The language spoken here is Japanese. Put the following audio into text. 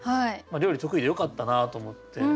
料理得意でよかったなと思って。